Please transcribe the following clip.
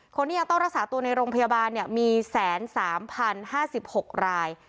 คนที่ยังต้องรักษาตัวในโรงพยาบาลเนี่ยมีแสนสามพันห้าสิบหกราย